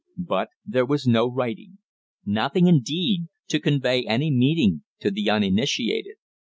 But there was no writing; nothing, indeed, to convey any meaning to the uninitiated.